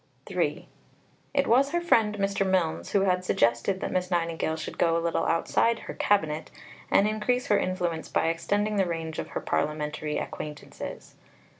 III It was her friend Mr. Milnes who had suggested that Miss Nightingale should go a little outside her "Cabinet" and increase her influence by extending the range of her parliamentary acquaintances.